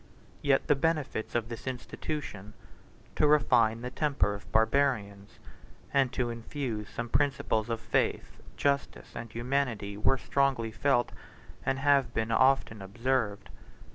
Yet the benefits of this institution, to refine the temper of Barbarians, and to infuse some principles of faith, justice, and humanity, were strongly felt, and have been often observed.